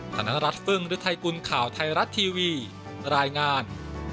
ธนรัฐฟึ่งฤทัยกุลข่าวไทยรัฐทีวีรายงาน